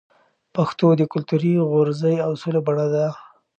پښتو د کلتوري غورزی اصولو بڼه ده.